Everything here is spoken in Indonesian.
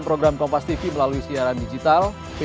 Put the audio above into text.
pak selamat pagi pak